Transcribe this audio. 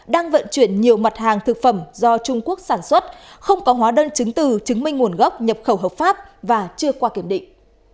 đang vận chuyển nhiều mặt hàng thực phẩm do trung quốc sản xuất không có hóa đơn chứng từ chứng minh nguồn gốc nhập khẩu hợp pháp và chưa qua kiểm định